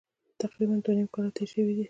تقریبا دوه نیم کاله تېر شوي دي.